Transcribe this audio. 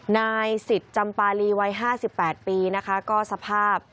นายสิทธิ์จำปารีวัย๕๘ปีนะคะก็สภาพ